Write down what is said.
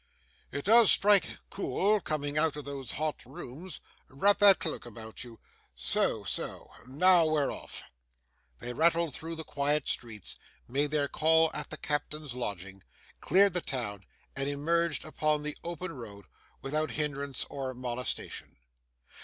'It does strike cool, coming out of those hot rooms. Wrap that cloak about you. So, so; now we're off.' They rattled through the quiet streets, made their call at the captain's lodgings, cleared the town, and emerged upon the open road, without hindrance or molestation.